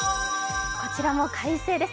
こちらも快晴です。